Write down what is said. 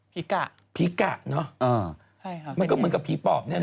พีกะพีกะเนอะมันก็เหมือนกับผีปอบเนี่ยเนอะ